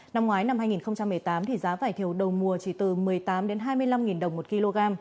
năm ngoái năm hai nghìn một mươi tám thì giá vải thiều đầu mùa chỉ từ một mươi tám hai mươi năm đồng một kg